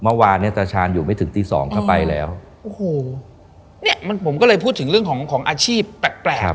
เมื่อวานเนี้ยตาชาญอยู่ไม่ถึงตีสองเข้าไปแล้วโอ้โหเนี้ยมันผมก็เลยพูดถึงเรื่องของของอาชีพแปลกแปลก